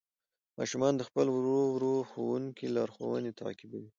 ماشومان د خپل ورو ورو ښوونکي لارښوونې تعقیبوي